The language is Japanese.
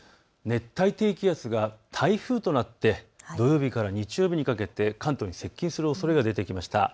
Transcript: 熱帯低気圧が台風となって土曜日から日曜日にかけて関東に接近するおそれが出てきました。